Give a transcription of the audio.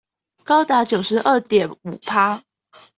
高達九十二點五趴